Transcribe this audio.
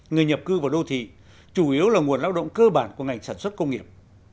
người nhập cư vào đô thị chủ yếu là nguồn lao động cơ bản của ngành sản xuất công nghiệp